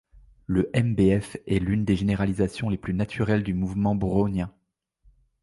Le mBf est l'une des généralisations les plus naturelles du mouvement brownien.